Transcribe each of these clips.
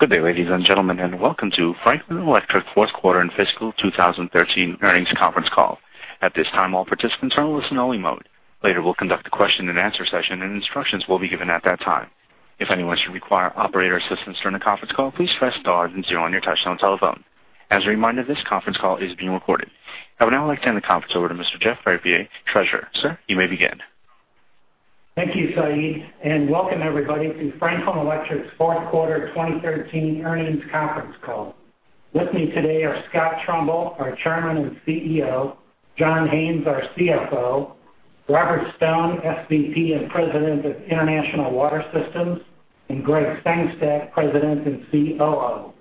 Good day, ladies and gentlemen, and welcome to Franklin Electric Fourth Quarter and Fiscal 2013 Earnings Conference Call. At this time, all participants are in listen-only mode. Later, we'll conduct a question-and-answer session, and instructions will be given at that time. If anyone should require operator assistance during the conference call, please press star then zero on your touch-tone telephone. As a reminder, this conference call is being recorded. I would now like to hand the conference over to Mr. Jeff Reppert, Treasurer. Sir, you may begin. Thank you, Saeed, and welcome everybody to Franklin Electric's Fourth Quarter 2013 Earnings Conference Call. With me today are Scott Trumbull, our Chairman and CEO, John Haines, our CFO, Robert Stone, SVP and President of International Water Systems, and Gregg Sengstack, President and COO.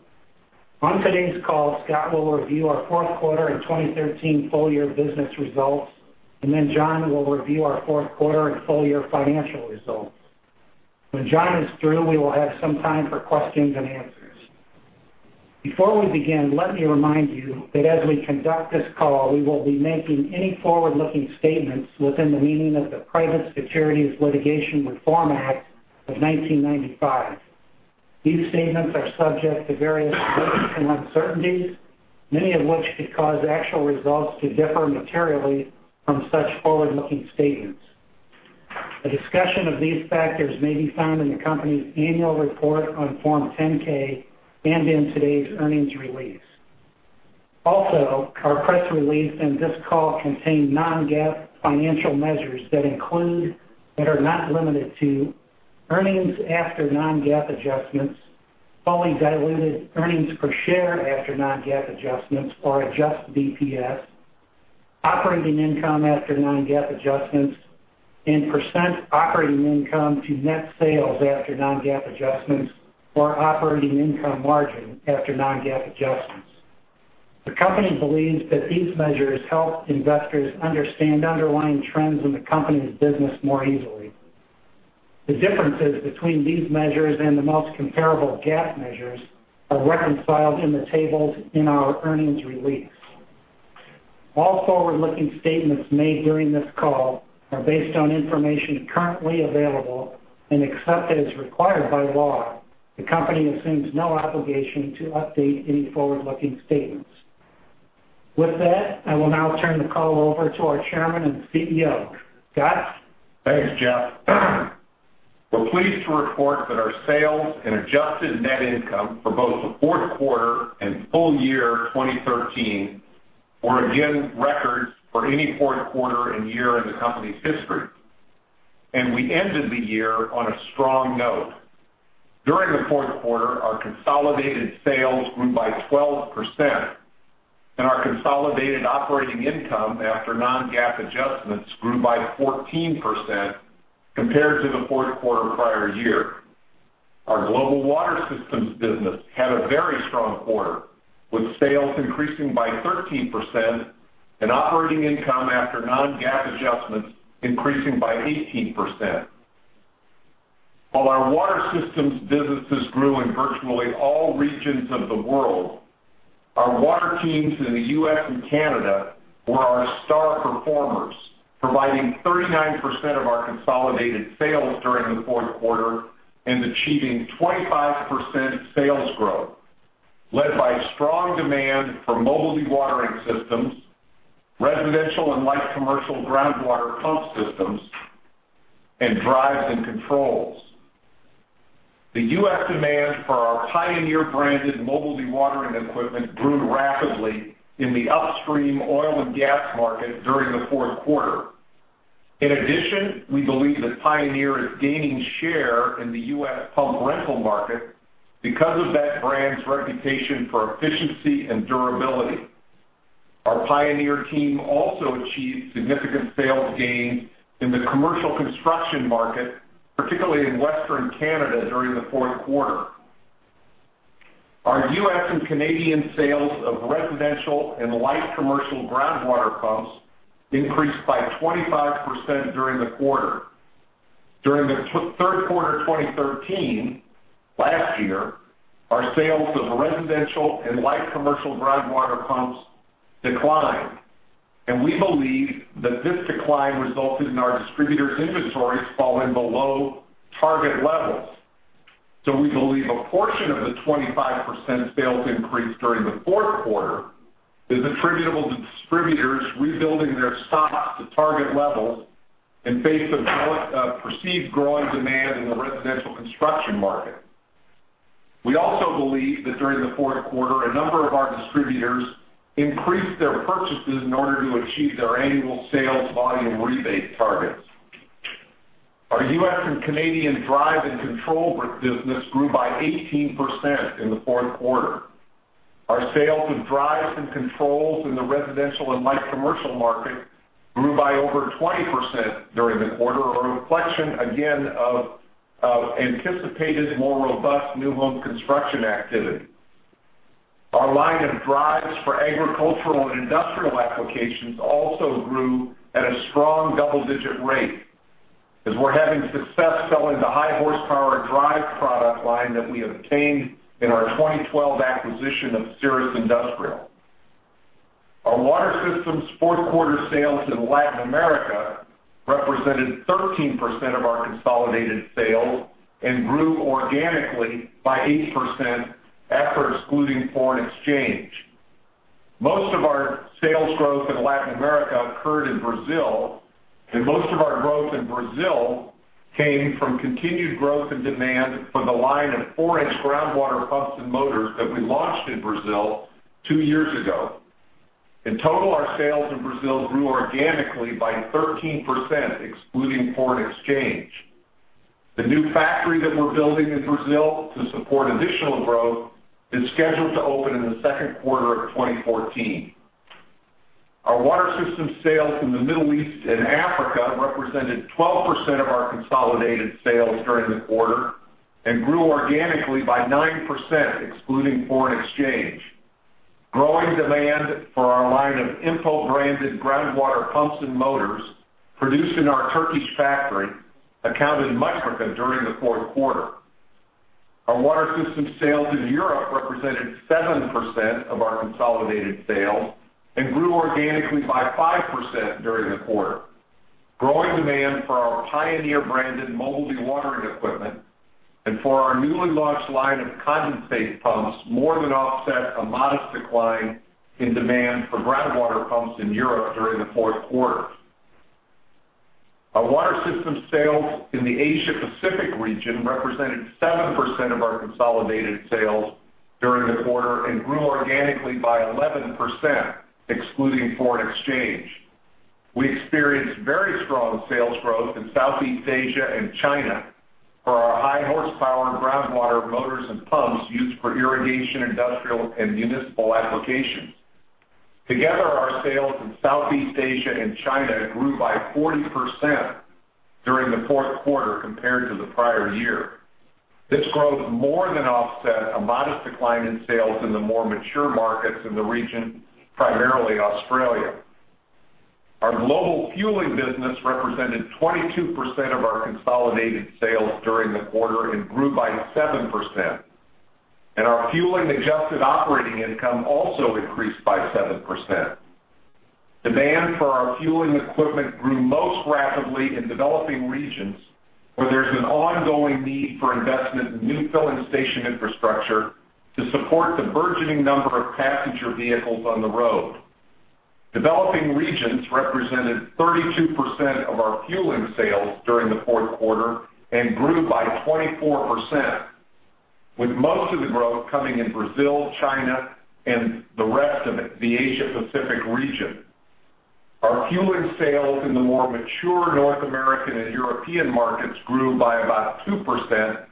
On today's call, Scott will review our Fourth Quarter and 2013 Full-Year Business Results, and then John will review our Fourth Quarter and Full-Year Financial Results. When John is through, we will have some time for questions and answers. Before we begin, let me remind you that as we conduct this call, we will be making any forward-looking statements within the meaning of the Private Securities Litigation Reform Act of 1995. These statements are subject to various risks and uncertainties, many of which could cause actual results to differ materially from such forward-looking statements. A discussion of these factors may be found in the company's annual report on Form 10-K and in today's earnings release. Also, our press release and this call contain non-GAAP financial measures that include, that are not limited to, earnings after non-GAAP adjustments, fully diluted earnings per share after non-GAAP adjustments or Adjusted EPS, operating income after non-GAAP adjustments, and percent operating income to net sales after non-GAAP adjustments or operating income margin after non-GAAP adjustments. The company believes that these measures help investors understand underlying trends in the company's business more easily. The differences between these measures and the most comparable GAAP measures are reconciled in the tables in our earnings release. All forward-looking statements made during this call are based on information currently available, and except as required by law, the company assumes no obligation to update any forward-looking statements. With that, I will now turn the call over to our Chairman and CEO. Scott? Thanks, Jeff. We're pleased to report that our sales and adjusted net income for both the fourth quarter and full year 2013 were again records for any fourth quarter and year in the company's history, and we ended the year on a strong note. During the fourth quarter, our consolidated sales grew by 12%, and our consolidated operating income after non-GAAP adjustments grew by 14% compared to the fourth quarter prior year. Our Global Water Systems business had a very strong quarter, with sales increasing by 13% and operating income after non-GAAP adjustments increasing by 18%. While our water systems businesses grew in virtually all regions of the world, our water teams in the U.S. and Canada were our star performers, providing 39% of our consolidated sales during the fourth quarter and achieving 25% sales growth, led by strong demand for mobile dewatering systems, residential and light commercial groundwater pump systems, and drives and controls. The US demand for our Pioneer-branded mobile dewatering equipment grew rapidly in the upstream oil and gas market during the fourth quarter. In addition, we believe that Pioneer is gaining share in the U.S. pump rental market because of that brand's reputation for efficiency and durability. Our Pioneer team also achieved significant sales gains in the commercial construction market, particularly in Western Canada, during the fourth quarter. Our U.S. and Canadian sales of residential and light commercial groundwater pumps increased by 25% during the quarter. During the third quarter of 2013, last year, our sales of residential and light commercial groundwater pumps declined, and we believe that this decline resulted in our distributors' inventories falling below target levels. So we believe a portion of the 25% sales increase during the fourth quarter is attributable to distributors rebuilding their stocks to target levels in face of perceived growing demand in the residential construction market. We also believe that during the fourth quarter, a number of our distributors increased their purchases in order to achieve their annual sales volume rebate targets. Our U.S. and Canadian drive and control business grew by 18% in the fourth quarter. Our sales of drives and controls in the residential and light commercial market grew by over 20% during the quarter, a reflection again of anticipated more robust new home construction activity. Our line of drives for agricultural and industrial applications also grew at a strong double-digit rate as we're having success selling the high horsepower drive product line that we obtained in our 2012 acquisition of Cerus Industrial. Our Water Systems fourth-quarter sales in Latin America represented 13% of our consolidated sales and grew organically by 8% after excluding foreign exchange. Most of our sales growth in Latin America occurred in Brazil, and most of our growth in Brazil came from continued growth and demand for the line of four-inch groundwater pumps and motors that we launched in Brazil two years ago. In total, our sales in Brazil grew organically by 13%, excluding foreign exchange. The new factory that we're building in Brazil to support additional growth is scheduled to open in the second quarter of 2014. Our water system sales in the Middle East and Africa represented 12% of our consolidated sales during the quarter and grew organically by 9%, excluding foreign exchange. Growing demand for our line of Impo-branded groundwater pumps and motors produced in our Turkish factory accounted for much of it during the fourth quarter. Our water system sales in Europe represented 7% of our consolidated sales and grew organically by 5% during the quarter. Growing demand for our Pioneer-branded mobile dewatering equipment and for our newly launched line of condensate pumps more than offset a modest decline in demand for groundwater pumps in Europe during the fourth quarter. Our water system sales in the Asia Pacific region represented 7% of our consolidated sales during the quarter and grew organically by 11%, excluding foreign exchange. We experienced very strong sales growth in Southeast Asia and China for our high horsepower, groundwater, motors and pumps used for irrigation, industrial, and municipal applications. Together, our sales in Southeast Asia and China grew by 40% during the fourth quarter compared to the prior year. This growth more than offset a modest decline in sales in the more mature markets in the region, primarily Australia. Our global fueling business represented 22% of our consolidated sales during the quarter and grew by 7%, and our fueling adjusted operating income also increased by 7%. Demand for our fueling equipment grew most rapidly in developing regions, where there's an ongoing need for investment in new filling station infrastructure to support the burgeoning number of passenger vehicles on the road. Developing regions represented 32% of our fueling sales during the fourth quarter and grew by 24%, with most of the growth coming in Brazil, China, and the rest of it, the Asia Pacific region. Our fueling sales in the more mature North American and European markets grew by about 2%,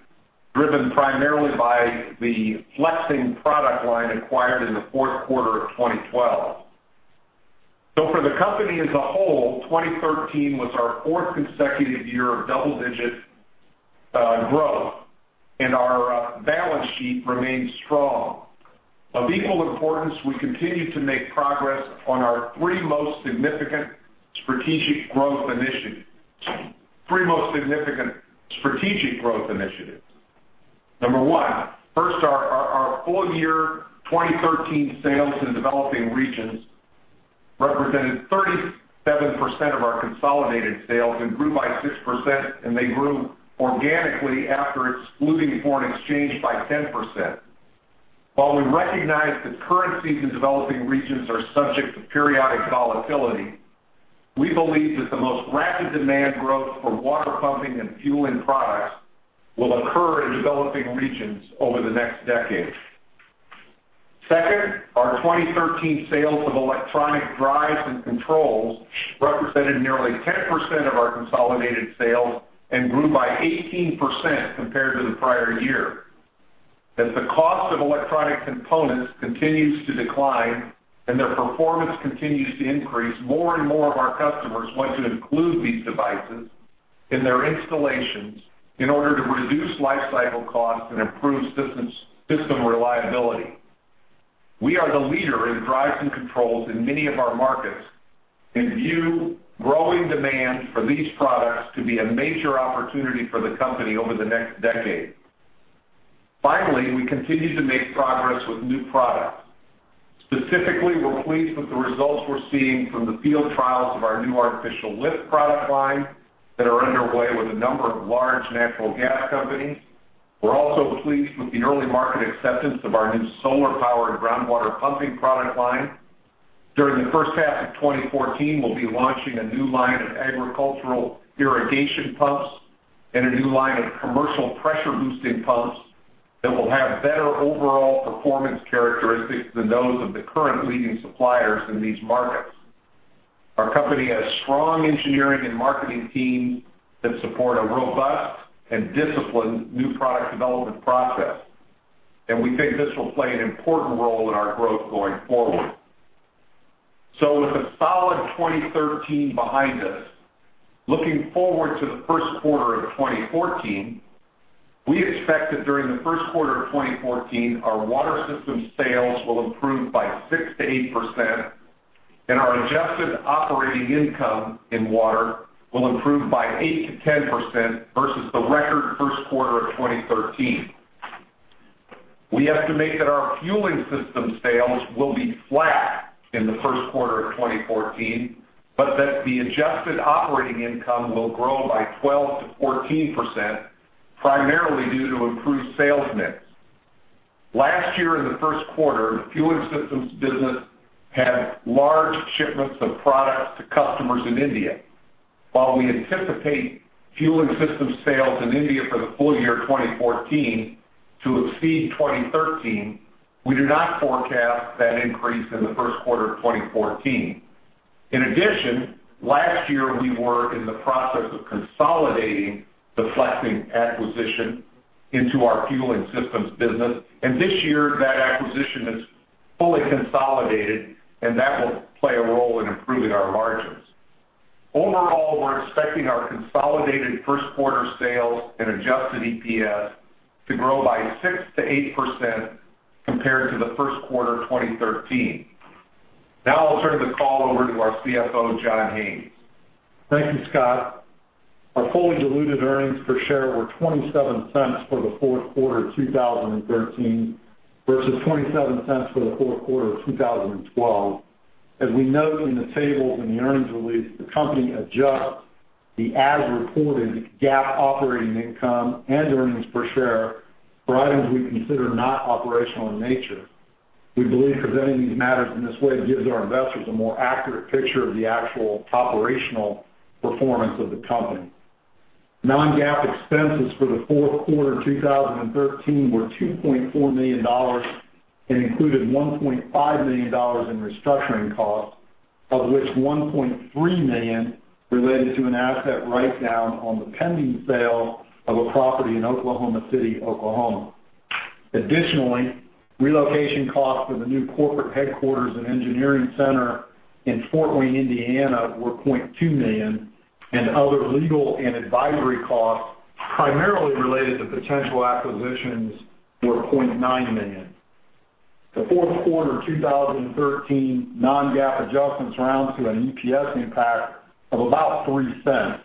driven primarily by the Flex-Ing product line acquired in the fourth quarter of 2012. So for the company as a whole, 2013 was our fourth consecutive year of double-digit growth, and our balance sheet remains strong. Of equal importance, we continue to make progress on our three most significant strategic growth initiatives. Number one, first, our full-year 2013 sales in developing regions represented 37% of our consolidated sales and grew by 6%, and they grew organically after excluding foreign exchange by 10%. While we recognize that currencies in developing regions are subject to periodic volatility, we believe that the most rapid demand growth for water pumping and fueling products will occur in developing regions over the next decade. Second, our 2013 sales of electronic drives and controls represented nearly 10% of our consolidated sales and grew by 18% compared to the prior year. As the cost of electronic components continues to decline and their performance continues to increase, more and more of our customers want to include these devices in their installations in order to reduce life cycle costs and improve system reliability. We are the leader in drives and controls in many of our markets and view growing demand for these products to be a major opportunity for the company over the next decade. Finally, we continue to make progress with new products. Specifically, we're pleased with the results we're seeing from the field trials of our new artificial lift product line that are underway with a number of large natural gas companies. We're also pleased with the early market acceptance of our new solar powered groundwater pumping product line. During the first half of 2014, we'll be launching a new line of agricultural irrigation pumps and a new line of commercial pressure boosting pumps that will have better overall performance characteristics than those of the current leading suppliers in these markets. Our company has strong engineering and marketing teams that support a robust and disciplined new product development process, and we think this will play an important role in our growth going forward. So with a solid 2013 behind us, looking forward to the first quarter of 2014, we expect that during the first quarter of 2014, our water systems sales will improve by 6%-8%, and our adjusted operating income in water will improve by 8%-10% versus the record first quarter of 2013. We estimate that our fueling systems sales will be flat in the first quarter of 2014, but that the adjusted operating income will grow by 12%-14%, primarily due to improved sales mix. Last year, in the first quarter, the fueling systems business had large shipments of products to customers in India.While we anticipate fueling systems sales in India for the full year 2014 to exceed 2013, we do not forecast that increase in the first quarter of 2014. In addition, last year, we were in the process of consolidating the Flex-Ing acquisition into our fueling systems business, and this year, that acquisition is fully consolidated, and that will play a role in improving our margins. Overall, we're expecting our consolidated first quarter sales and adjusted EPS to grow by 6%-8% compared to the first quarter of 2013. Now I'll turn the call over to our CFO, John Haines. Thank you, Scott. Our fully diluted earnings per share were $0.27 for the fourth quarter of 2013, versus $0.27 for the fourth quarter of 2012. As we note in the table in the earnings release, the company adjusts the as-reported GAAP operating income and earnings per share for items we consider not operational in nature. We believe presenting these matters in this way gives our investors a more accurate picture of the actual operational performance of the company. Non-GAAP expenses for the fourth quarter of 2013 were $2.4 million and included $1.5 million in restructuring costs, of which $1.3 million related to an asset write-down on the pending sale of a property in Oklahoma City, Oklahoma.Additionally, relocation costs for the new corporate headquarters and engineering center in Fort Wayne, Indiana, were $0.2 million, and other legal and advisory costs, primarily related to potential acquisitions, were $0.9 million. The fourth quarter 2013 non-GAAP adjustments round to an EPS impact of about $0.03.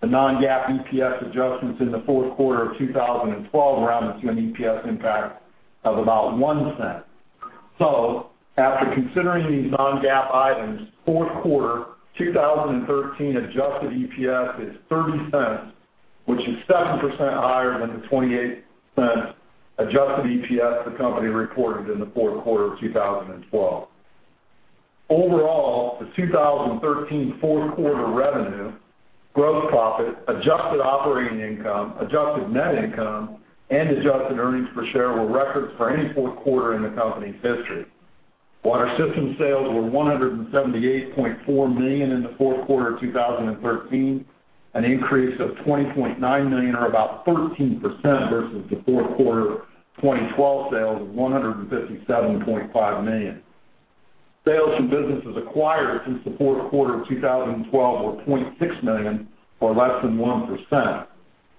The non-GAAP EPS adjustments in the fourth quarter of 2012 rounded to an EPS impact of about $0.01. So after considering these non-GAAP items, fourth quarter 2013 adjusted EPS is $0.30, which is 7% higher than the $0.28 adjusted EPS the company reported in the fourth quarter of 2012. Overall, the 2013 fourth quarter revenue, gross profit, adjusted operating income, adjusted net income, and adjusted earnings per share were records for any fourth quarter in the company's history. Water Systems sales were $178.4 million in the fourth quarter of 2013, an increase of $20.9 million, or about 13%, versus the fourth quarter of 2012 sales of $157.5 million. Sales from businesses acquired since the fourth quarter of 2012 were $0.6 million, or less than 1%.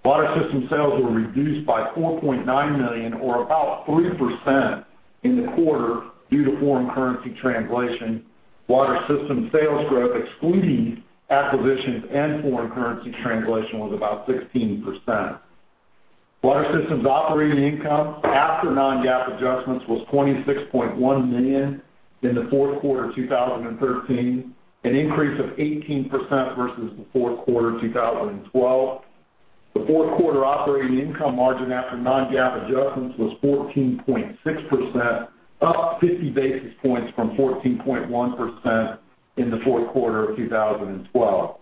Water Systems sales were reduced by $4.9 million, or about 3%, in the quarter due to foreign currency translation. Water Systems sales growth, excluding acquisitions and foreign currency translation, was about 16%. Water Systems operating income after non-GAAP adjustments was $26.1 million in the fourth quarter of 2013, an increase of 18% versus the fourth quarter of 2012.The fourth quarter operating income margin after non-GAAP adjustments was 14.6%, up 50 basis points from 14.1% in the fourth quarter of 2012.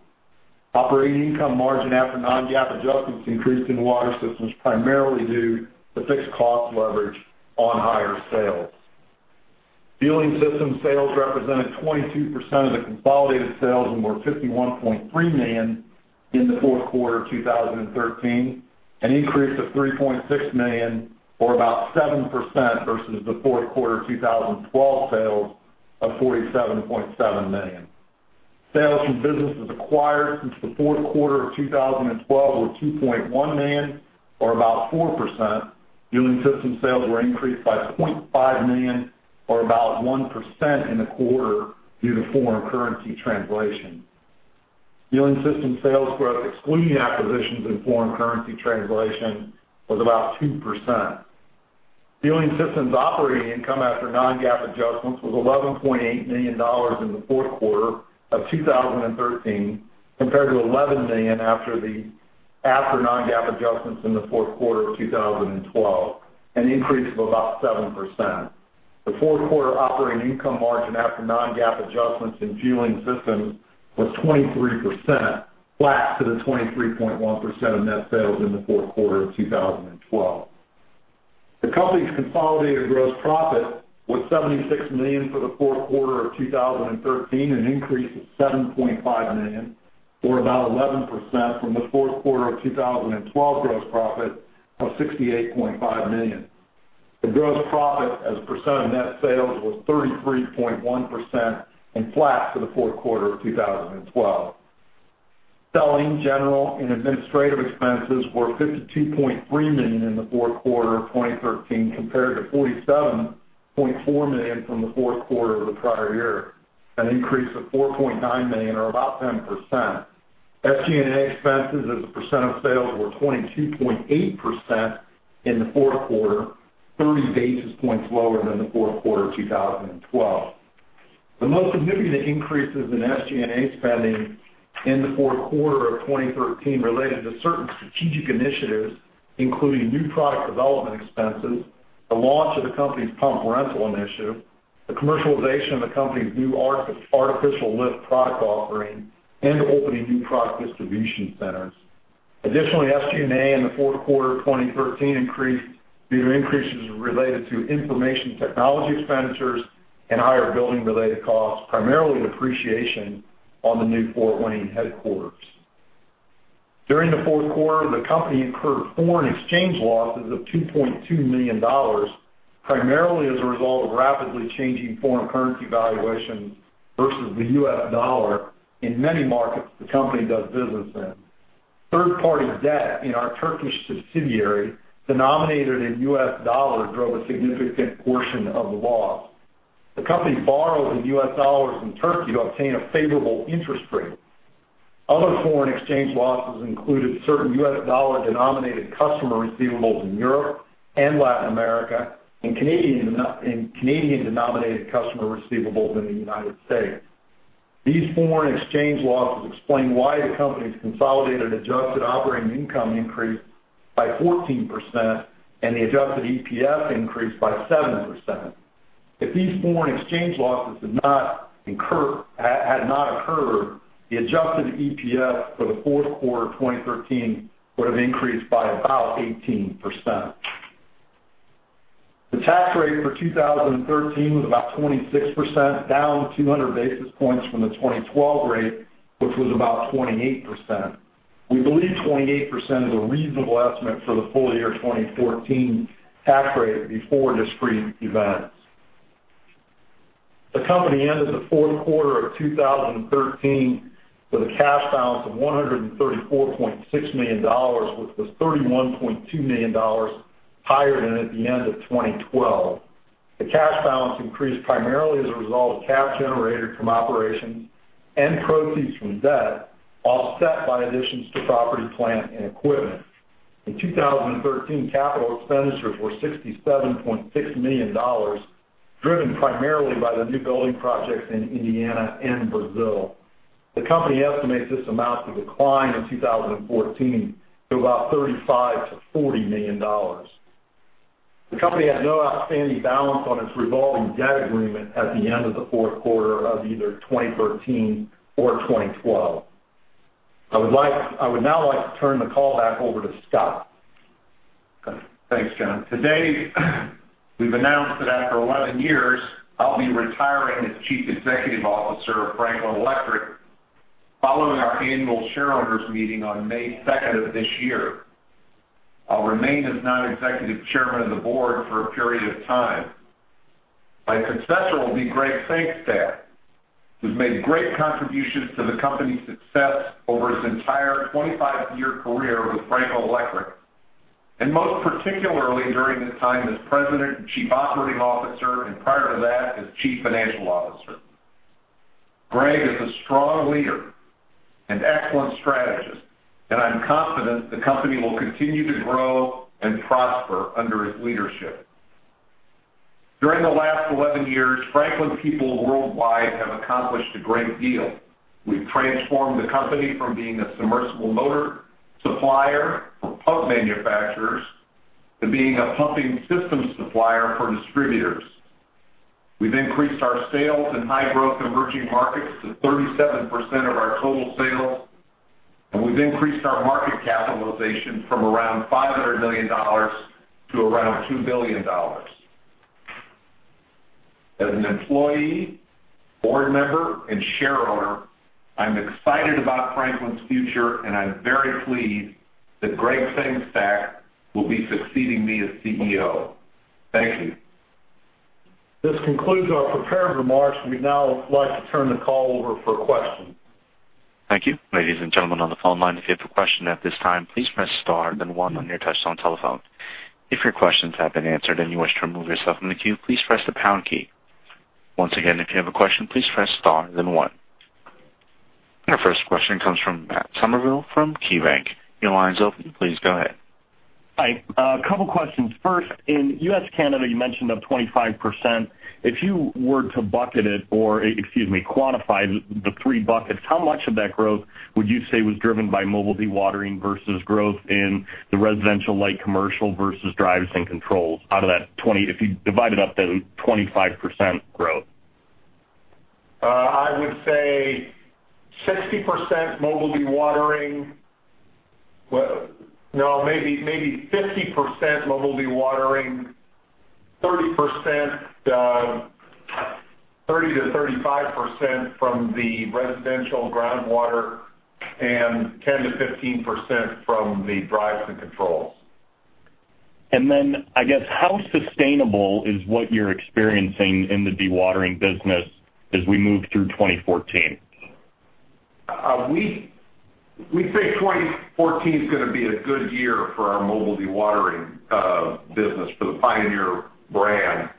Operating income margin after non-GAAP adjustments increased in water systems, primarily due to fixed cost leverage on higher sales. Fueling system sales represented 22% of the consolidated sales and were $51.3 million in the fourth quarter of 2013, an increase of $3.6 million, or about 7%, versus the fourth quarter of 2012 sales of $47.7 million. Sales from businesses acquired since the fourth quarter of 2012 were $2.1 million, or about 4%. Fueling system sales were increased by $0.5 million, or about 1%, in the quarter due to foreign currency translation. Fueling systems sales growth, excluding acquisitions and foreign currency translation, was about 2%. Fueling systems operating income after non-GAAP adjustments was $11.8 million in the fourth quarter of 2013, compared to $11 million after non-GAAP adjustments in the fourth quarter of 2012, an increase of about 7%. The fourth quarter operating income margin after non-GAAP adjustments in fueling systems was 23%, flat to the 23.1% of net sales in the fourth quarter of 2012. The company's consolidated gross profit was $76 million for the fourth quarter of 2013, an increase of $7.5 million, or about 11%, from the fourth quarter of 2012 gross profit of $68.5 million. The gross profit as a percent of net sales was 33.1% and flat for the fourth quarter of 2012. Selling, general, and administrative expenses were $52.3 million in the fourth quarter of 2013, compared to $47.4 million from the fourth quarter of the prior year, an increase of $4.9 million, or about 10%.... SG&A expenses as a percent of sales were 22.8% in the fourth quarter, 30 basis points lower than the fourth quarter of 2012. The most significant increases in SG&A spending in the fourth quarter of 2013 related to certain strategic initiatives, including new product development expenses, the launch of the company's pump rental initiative, the commercialization of the company's new artificial lift product offering, and opening new product distribution centers. Additionally, SG&A in the fourth quarter of 2013 increased due to increases related to information technology expenditures and higher building-related costs, primarily depreciation on the new Fort Wayne headquarters. During the fourth quarter, the company incurred foreign exchange losses of $2.2 million, primarily as a result of rapidly changing foreign currency valuations versus the US dollar in many markets the company does business in. Third-party debt in our Turkish subsidiary, denominated in US dollars, drove a significant portion of the loss. The company borrowed in US dollars in Turkey to obtain a favorable interest rate. Other foreign exchange losses included certain US dollar-denominated customer receivables in Europe and Latin America, and Canadian- and Canadian-denominated customer receivables in the United States. These foreign exchange losses explain why the company's consolidated adjusted operating income increased by 14%, and the adjusted EPS increased by 7%. If these foreign exchange losses had not occurred, the adjusted EPS for the fourth quarter of 2013 would have increased by about 18%. The tax rate for 2013 was about 26%, down 200 basis points from the 2012 rate, which was about 28%. We believe 28% is a reasonable estimate for the full year 2014 tax rate before discrete events. The company ended the fourth quarter of 2013 with a cash balance of $134.6 million, which was $31.2 million higher than at the end of 2012. The cash balance increased primarily as a result of cash generated from operations and proceeds from debt, offset by additions to property, plant, and equipment.In 2013, capital expenditures were $67.6 million, driven primarily by the new building projects in Indiana and Brazil. The company estimates this amount to decline in 2014 to about $35 million-$40 million. The company had no outstanding balance on its revolving debt agreement at the end of the fourth quarter of either 2013 or 2012. I would now like to turn the call back over to Scott. Thanks, John. Today, we've announced that after 11 years, I'll be retiring as Chief Executive Officer of Franklin Electric, following our annual shareholders meeting on May second of this year. I'll remain as non-executive chairman of the board for a period of time. My successor will be Gregg Sengstack, who's made great contributions to the company's success over his entire 25-year career with Franklin Electric, and most particularly during his time as President and Chief Operating Officer, and prior to that, as Chief Financial Officer. Greg is a strong leader and excellent strategist, and I'm confident the company will continue to grow and prosper under his leadership. During the last 11 years, Franklin people worldwide have accomplished a great deal. We've transformed the company from being a submersible motor supplier for pump manufacturers to being a pumping system supplier for distributors. We've increased our sales in high-growth emerging markets to 37% of our total sales, and we've increased our market capitalization from around $500 million to around $2 billion. As an employee, board member, and shareholder, I'm excited about Franklin's future, and I'm very pleased that Gregg Sengstack will be succeeding me as CEO. Thank you. This concludes our prepared remarks. We'd now like to turn the call over for questions. Thank you. Ladies and gentlemen, on the phone line, if you have a question at this time, please press star, then one on your touch-tone telephone. If your questions have been answered and you wish to remove yourself from the queue, please press the pound key. Once again, if you have a question, please press star, then one. Our first question comes from Matt Summerville from KeyBanc. Your line is open. Please go ahead. Hi, a couple questions. First, in U.S., Canada, you mentioned up 25%. If you were to bucket it or, excuse me, quantify the three buckets, how much of that growth would you say was driven by mobile dewatering versus growth in the residential, light commercial versus drives and controls out of that 25%, if you divide it up, that 25% growth? I would say 60% mobile dewatering. Well, no, maybe, maybe 50% mobile dewatering, 30%, 30%-35% from the residential groundwater, and 10%-15% from the drives and controls. And then, I guess, how sustainable is what you're experiencing in the dewatering business as we move through 2014? We think 2014 is gonna be a good year for our mobile dewatering business for the Pioneer brand.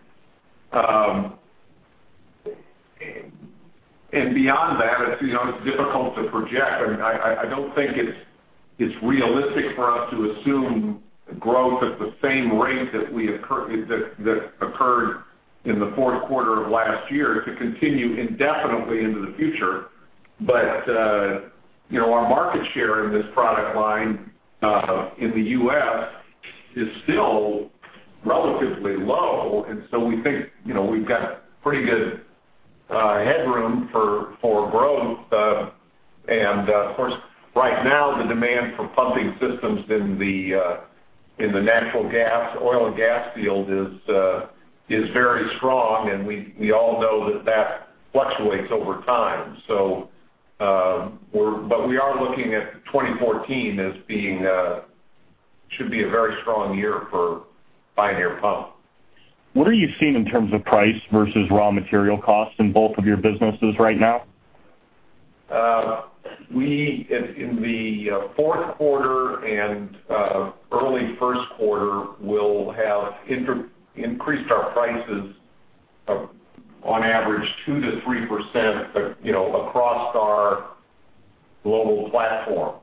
And beyond that, you know, it's difficult to project. I mean, I don't think it's realistic for us to assume growth at the same rate that occurred in the fourth quarter of last year to continue indefinitely into the future. But you know, our market share in this product line in the U.S. is still relatively low, and so we think, you know, we've got pretty good headroom for growth. And of course, right now, the demand for pumping systems in the natural gas, oil and gas field is very strong, and we all know that fluctuates over time. But we are looking at 2014 as being, should be a very strong year for Pioneer Pump. What are you seeing in terms of price versus raw material costs in both of your businesses right now? We in the fourth quarter and early first quarter will have increased our prices on average 2%-3%, you know, across our global platform.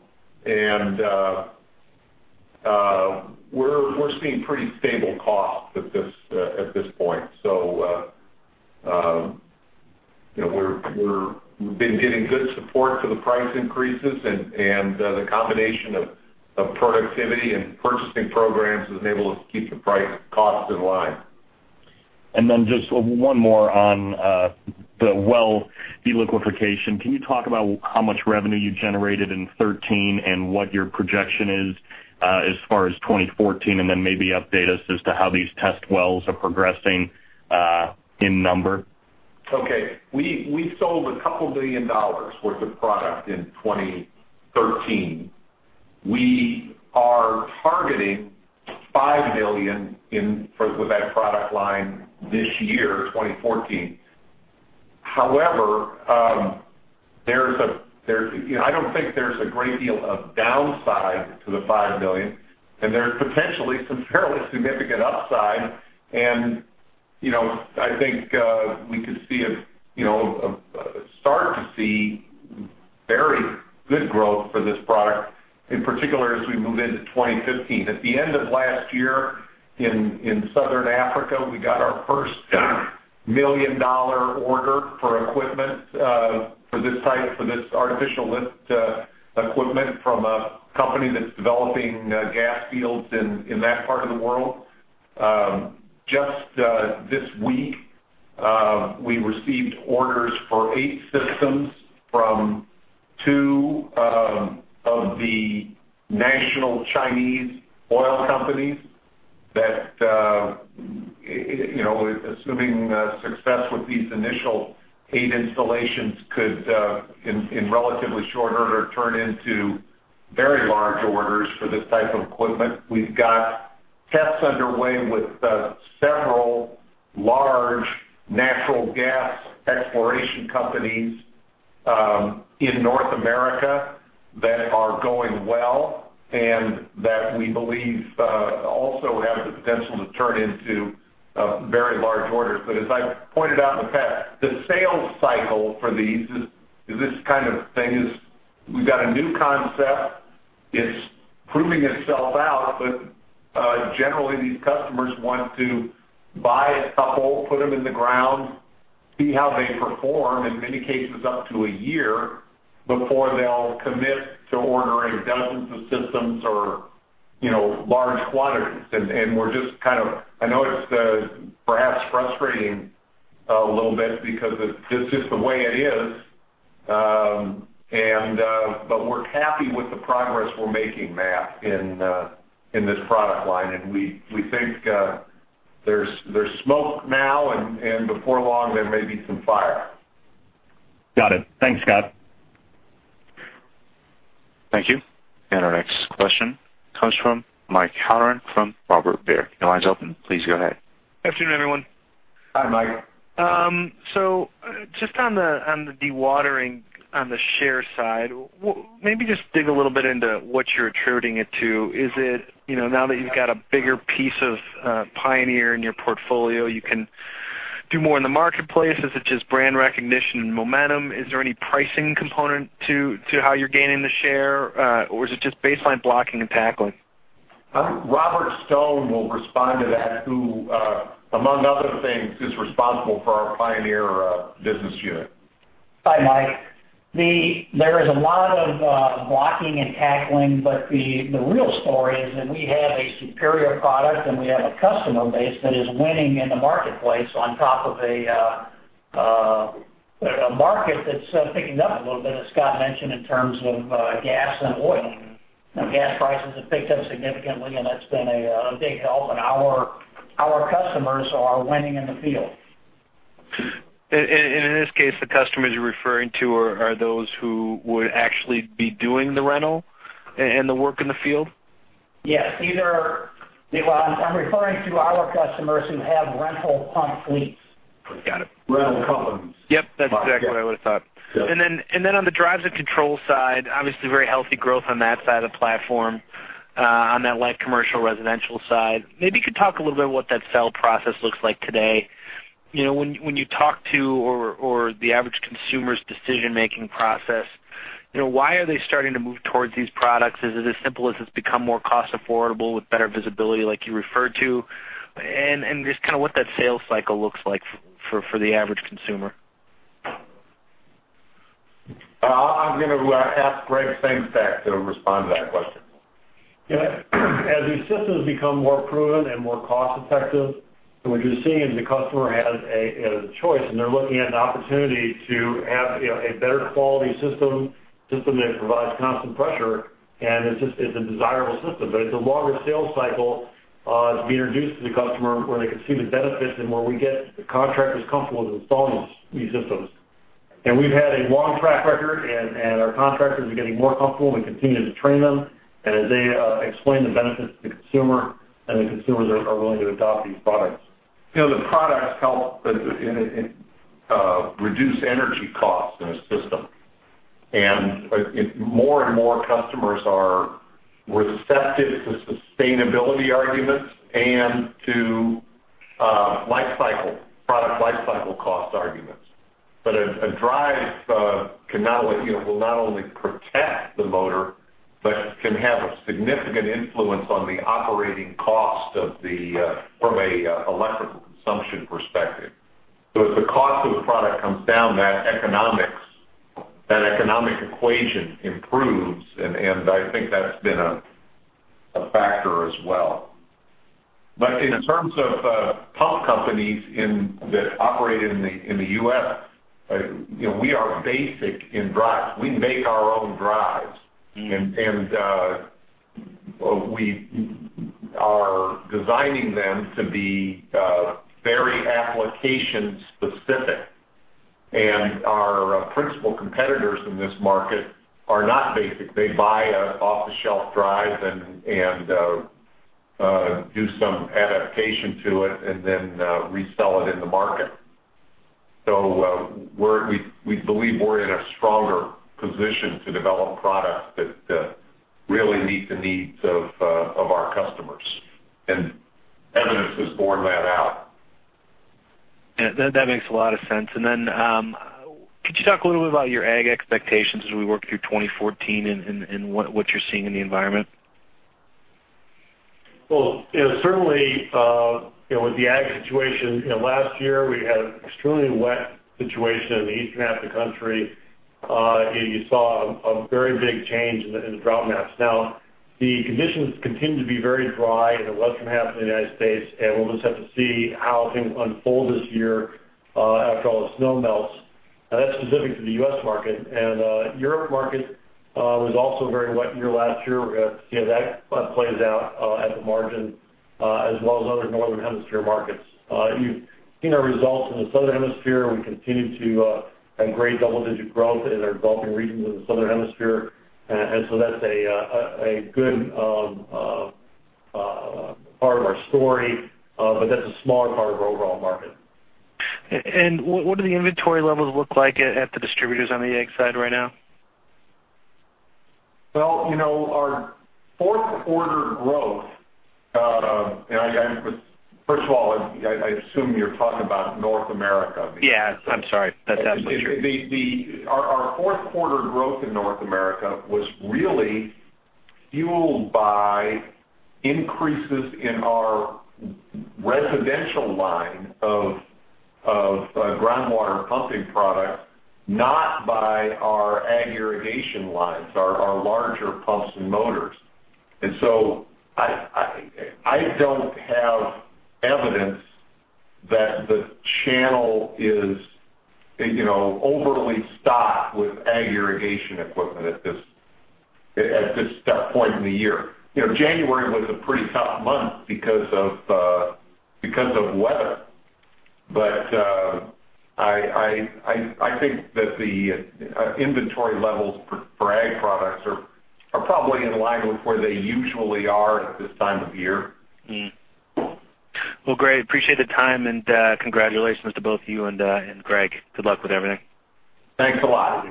We're seeing pretty stable costs at this point. You know, we've been getting good support for the price increases, and the combination of productivity and purchasing programs has enabled us to keep the price costs in line. Just one more on the well deliquification. Can you talk about how much revenue you generated in 2013, and what your projection is, as far as 2014? Maybe update us as to how these test wells are progressing, in number. Okay. We sold a couple billion dollars worth of product in 2013. We are targeting $5 billion in for, with that product line this year, 2014. However, there's -- you know, I don't think there's a great deal of downside to the $5 billion, and there's potentially some fairly significant upside. And, you know, I think, we could see a, you know, start to see very good growth for this product, in particular, as we move into 2015. At the end of last year, in Southern Africa, we got our first $1 million order for equipment, for this type, for this artificial lift equipment from a company that's developing gas fields in that part of the world. Just this week, we received orders for eight systems from two of the national Chinese oil companies that, you know, assuming success with these initial eight installations could, in relatively short order, turn into very large orders for this type of equipment. We've got tests underway with several large natural gas exploration companies in North America that are going well, and that we believe also have the potential to turn into very large orders. But as I've pointed out in the past, the sales cycle for these, this kind of thing, is we've got a new concept. It's proving itself out, but generally, these customers want to buy a couple, put them in the ground, see how they perform, in many cases, up to a year, before they'll commit to ordering dozens of systems or, you know, large quantities. And we're just kind of. I know it's perhaps frustrating a little bit because it's just the way it is. But we're happy with the progress we're making, Matt, in this product line, and we think there's smoke now, and before long, there may be some fire. Got it. Thanks, Scott. Thank you. Our next question comes from Mike Halloran from Robert W. Baird. The line's open. Please go ahead. Good afternoon, everyone. Hi, Mike. So just on the, on the dewatering, on the share side, maybe just dig a little bit into what you're attributing it to. Is it, you know, now that you've got a bigger piece of Pioneer in your portfolio, you can do more in the marketplace? Is it just brand recognition and momentum? Is there any pricing component to, to how you're gaining the share, or is it just baseline blocking and tackling? Robert Stone will respond to that, who, among other things, is responsible for our Pioneer business unit. Hi, Mike. There is a lot of blocking and tackling, but the real story is that we have a superior product, and we have a customer base that is winning in the marketplace on top of a market that's picking up a little bit, as Scott mentioned, in terms of gas and oil. Now gas prices have picked up significantly, and that's been a big help, and our customers are winning in the field. And in this case, the customers you're referring to are those who would actually be doing the rental and the work in the field? Yes, these are... Well, I'm referring to our customers who have rental pump fleets. Got it. Rental companies. Yep, that's exactly what I would've thought. Yep. And then on the drives and controls side, obviously, very healthy growth on that side of the platform, on that light commercial, residential side. Maybe you could talk a little bit what that sell process looks like today... You know, when you talk to or the average consumer's decision-making process, you know, why are they starting to move towards these products? Is it as simple as it's become more cost affordable with better visibility, like you referred to? And just kind of what that sales cycle looks like for the average consumer? I'm gonna ask Gregg Sengstack to respond to that question. Yeah. As these systems become more proven and more cost effective, what you're seeing is the customer has a choice, and they're looking at an opportunity to have, you know, a better quality system that provides constant pressure, and it's just a desirable system. But it's a longer sales cycle to be introduced to the customer, where they can see the benefits and where we get the contractors comfortable with installing these systems. And we've had a long track record, and our contractors are getting more comfortable. We continue to train them, and as they explain the benefits to the consumer, and the consumers are willing to adopt these products. You know, the products help in reduce energy costs in a system. But more and more customers are receptive to sustainability arguments and to life cycle, product life cycle cost arguments. But a drive will not only protect the motor, but can have a significant influence on the operating cost of the from a electrical consumption perspective. So as the cost of the product comes down, that economics, that economic equation improves, and I think that's been a factor as well. But in terms of pump companies that operate in the U.S., you know, we are basic in drives. We make our own drives. Mm. We are designing them to be very application specific. Our principal competitors in this market are not bespoke. They buy an off-the-shelf drive and do some adaptation to it and then resell it in the market. So, we're in a stronger position to develop products that really meet the needs of our customers. Evidence has borne that out. Yeah, that makes a lot of sense. And then, could you talk a little bit about your ag expectations as we work through 2014 and what you're seeing in the environment? Well, you know, certainly, you know, with the ag situation, you know, last year, we had an extremely wet situation in the eastern half of the country. You saw a very big change in the drought maps. Now, the conditions continue to be very dry in the western half of the United States, and we'll just have to see how things unfold this year, after all the snow melts, and that's specific to the US market. Europe market was also a very wet year last year. We're gonna see how that plays out, at the margin, as well as other Northern Hemisphere markets. You've seen our results in the Southern Hemisphere. We continue to have great double-digit growth in our developing regions of the Southern Hemisphere.And so that's a good part of our story, but that's a smaller part of our overall market. What do the inventory levels look like at the distributors on the ag side right now? Well, you know, our fourth quarter growth, and first of all, I assume you're talking about North America. Yes. I'm sorry. That's absolutely true. Our fourth quarter growth in North America was really fueled by increases in our residential line of groundwater pumping products, not by our ag irrigation lines, our larger pumps and motors. And so I don't have evidence that the channel is, you know, overly stocked with ag irrigation equipment at this point in the year. You know, January was a pretty tough month because of weather. But I think that the inventory levels for ag products are probably in line with where they usually are at this time of year. Mm. Well, great. Appreciate the time, and, and Greg. Good luck with everything. Thanks a lot.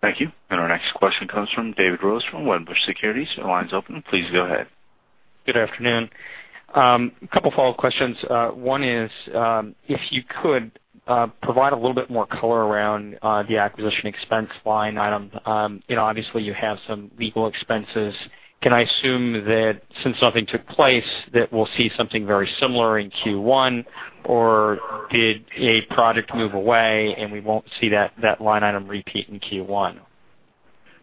Thank you. And our next question comes from David Rose from Wedbush Securities. The line's open. Please go ahead. Good afternoon. A couple follow-up questions. One is, if you could, provide a little bit more color around, the acquisition expense line item. You know, obviously, you have some legal expenses. Can I assume that since nothing took place, that we'll see something very similar in Q1? Or did a project move away, and we won't see that, that line item repeat in Q1?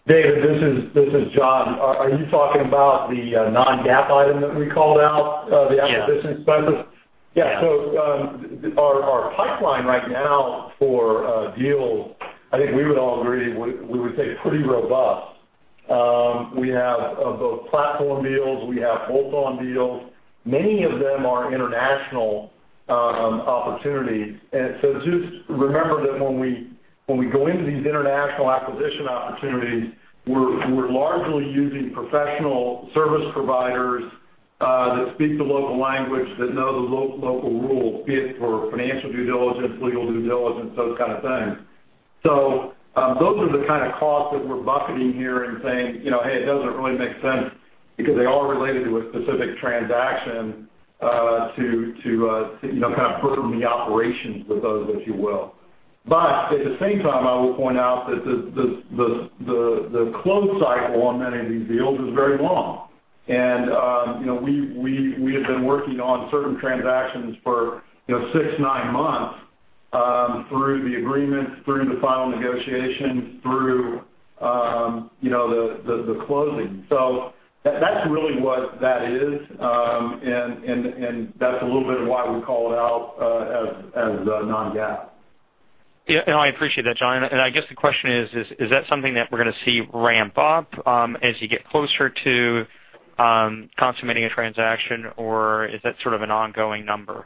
David, this is John. Are you talking about the non-GAAP item that we called out, the acquisition expenses? Yes. Yes. Yeah. So, our pipeline right now for deals, I think we would all agree, we would say pretty robust. We have both platform deals, we have bolt-on deals. Many of them are international opportunities. And so just remember that when we go into these international acquisition opportunities, we're largely using professional service providers that speak the local language, that know the local rules, be it for financial due diligence, legal due diligence, those kind of things. So, those are the kind of costs that we're bucketing here and saying, you know, "Hey, it doesn't really make sense-... because they are related to a specific transaction, you know, kind of burden the operations with those, if you will. But at the same time, I will point out that the close cycle on many of these deals is very long. And you know, we have been working on certain transactions for, you know, 6-9 months, through the agreements, through the final negotiations, through, you know, the closing. So that's really what that is. And that's a little bit of why we call it out, as non-GAAP. Yeah, no, I appreciate that, John. I guess the question is: Is that something that we're gonna see ramp up, as you get closer to consummating a transaction, or is that sort of an ongoing number?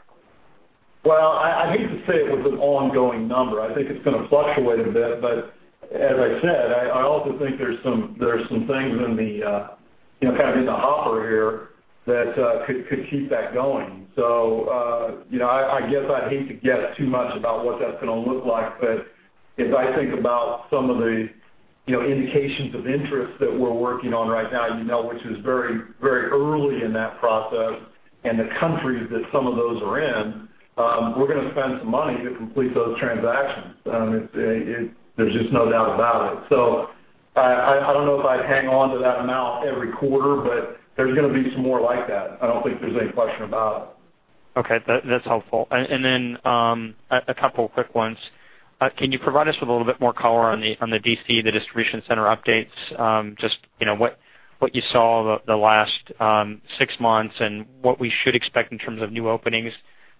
Well, I hate to say it was an ongoing number. I think it's gonna fluctuate a bit. But as I said, I also think there are some things in the, you know, kind of in the hopper here that could keep that going. So, you know, I guess I'd hate to guess too much about what that's gonna look like. But if I think about some of the, you know, indications of interest that we're working on right now, you know, which is very, very early in that process, and the countries that some of those are in, we're gonna spend some money to complete those transactions. There's just no doubt about it. So I don't know if I'd hang on to that amount every quarter, but there's gonna be some more like that.I don't think there's any question about it. Okay, that's helpful. And then a couple of quick ones. Can you provide us with a little bit more color on the DC, the distribution center updates? Just, you know, what you saw the last six months and what we should expect in terms of new openings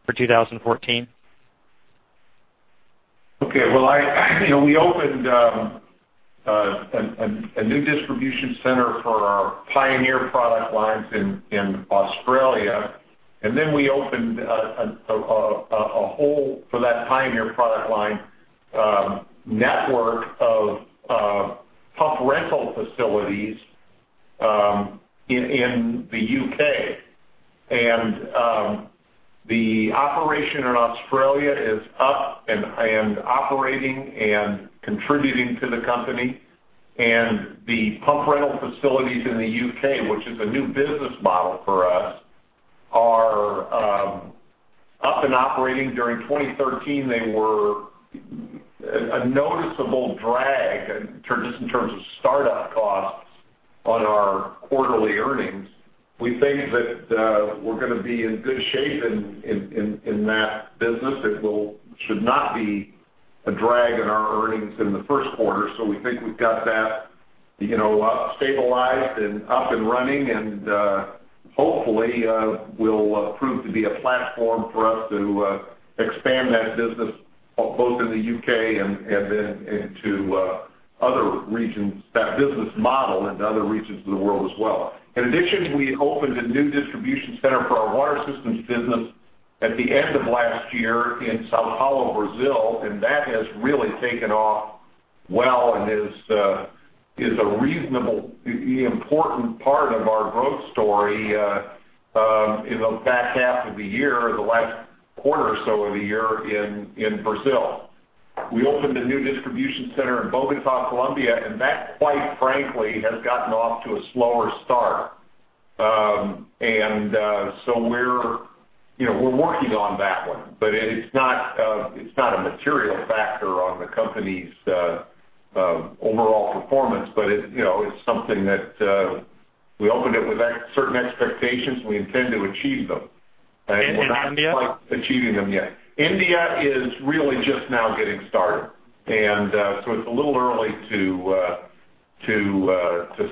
for 2014. Okay, well, you know, we opened a new distribution center for our Pioneer product lines in Australia, and then we opened a whole network of pump rental facilities in the U.K. And the operation in Australia is up and operating and contributing to the company, and the pump rental facilities in the U.K., which is a new business model for us, are up and operating. During 2013, they were a noticeable drag, just in terms of start-up costs on our quarterly earnings. We think that we're gonna be in good shape in that business. It should not be a drag in our earnings in the first quarter. So we think we've got that, you know, stabilized and up and running, and, hopefully, will prove to be a platform for us to expand that business both in the U.K. and, and then into other regions, that business model into other regions of the world as well. In addition, we opened a new distribution center for our Water Systems business at the end of last year in São Paulo, Brazil, and that has really taken off well and is a reasonable, important part of our growth story, in the back half of the year, the last quarter or so of the year in Brazil. We opened a new distribution center in Bogotá, Colombia, and that, quite frankly, has gotten off to a slower start. So we're, you know, we're working on that one, but it's not a material factor on the company's overall performance, but it, you know, it's something that we opened it with certain expectations, and we intend to achieve them. And India? We're not quite achieving them yet. India is really just now getting started, and so it's a little early to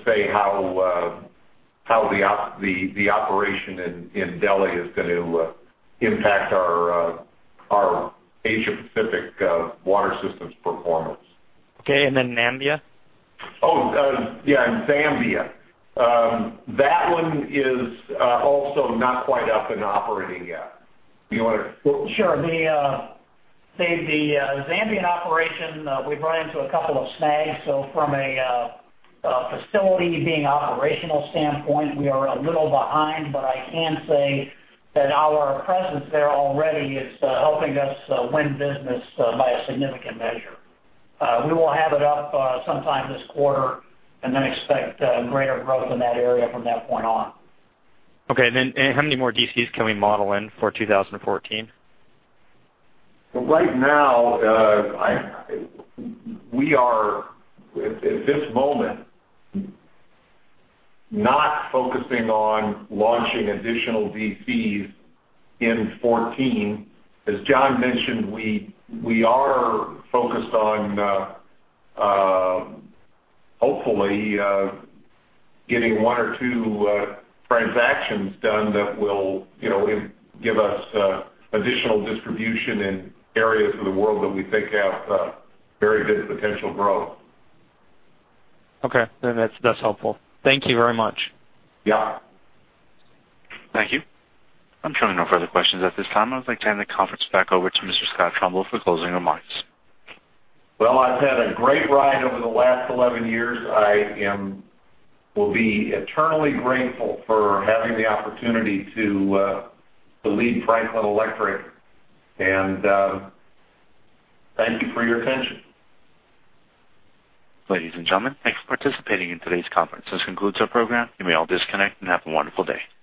say how the operation in Delhi is going to impact our Asia Pacific Water Systems performance. Okay, and then Zambia? Oh, yeah, and Zambia. That one is also not quite up and operating yet. You wanna? Sure. The Zambian operation, we've run into a couple of snags, so from a facility being operational standpoint, we are a little behind, but I can say that our presence there already is helping us win business by a significant measure. We will have it up sometime this quarter and then expect greater growth in that area from that point on. Okay. How many more DCs can we model in for 2014? Right now, we are, at this moment, not focusing on launching additional DCs in 2014. As John mentioned, we are focused on, hopefully, getting one or two transactions done that will, you know, give us additional distribution in areas of the world that we think have very good potential growth. Okay. Then that's, that's helpful. Thank you very much. Yeah. Thank you. I'm showing no further questions at this time. I'd like to turn the conference back over to Mr. Scott Trumbull for closing remarks. Well, I've had a great ride over the last 11 years. I will be eternally grateful for having the opportunity to lead Franklin Electric. And, thank you for your attention. Ladies and gentlemen, thanks for participating in today's conference. This concludes our program. You may all disconnect and have a wonderful day.